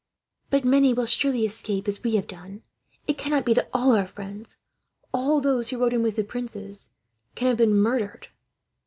"But many will surely escape, as we have done. It cannot be that all our friends all those who rode in with the princes can have been murdered."